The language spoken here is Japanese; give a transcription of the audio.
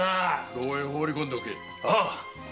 牢へ放り込んでおけ。